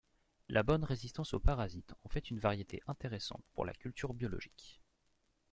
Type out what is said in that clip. La bonne résistance aux parasites en fait une variété intéressante pour la culture biologique.